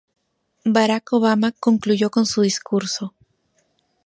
Barack Obama concluyó con su discurso.